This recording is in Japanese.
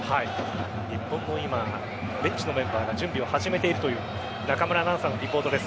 日本のベンチのメンバーが準備を始めているという中村アナウンサーのリポートです。